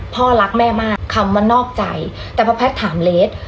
พ่อรักแม่มากคำว่านอกใจแต่พอแพทย์ถามเลส